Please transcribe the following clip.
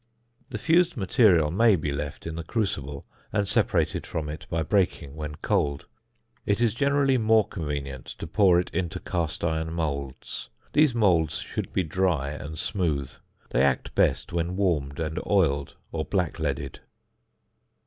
The fused material may be left in the crucible and separated from it by breaking when cold. It is generally more convenient to pour it into cast iron moulds. These moulds should be dry and smooth. They act best when warmed and oiled or black leaded.